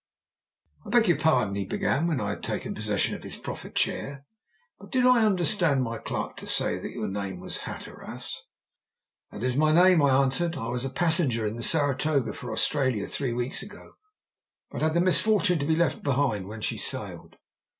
"I beg your pardon," he began, when I had taken possession of his proffered chair, "but did I understand my clerk to say that your name was Hatteras?" "That is my name," I answered. "I was a passenger in the Saratoga for Australia three weeks ago, but had the misfortune to be left behind when she sailed."